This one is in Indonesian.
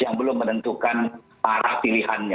yang belum menentukan arah pilihannya